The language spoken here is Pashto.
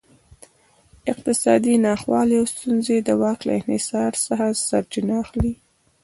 اقتصادي ناخوالې او ستونزې د واک له انحصار څخه سرچینه اخلي.